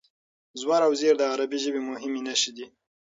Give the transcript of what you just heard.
زور او زېر د عربي ژبې مهمې نښې دي.